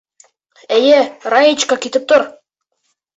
Эйе, Раечка, китеп тор.